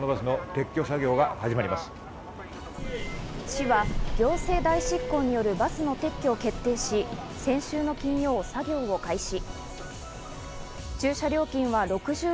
市は行政代執行によるバスの撤去を決定し、先週の金曜、作業を開始。